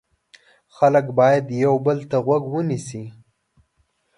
خلک باید یو بل ته غوږ ونیسي.